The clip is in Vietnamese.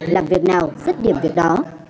làm việc nào rất điểm việc đó